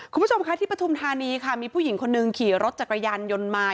คุณผู้ชมค่ะที่ปฐุมธานีค่ะมีผู้หญิงคนหนึ่งขี่รถจักรยานยนต์มา